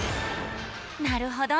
なるほど。